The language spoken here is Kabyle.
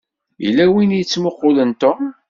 Yella win i yettmuqqulen Tom.